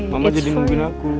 mama jadi nungguin aku